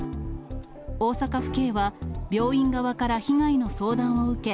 大阪府警は病院側から被害の相談を受け、